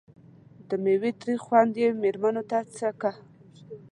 د میوې تریخ خوند یې مېرمنو څکه.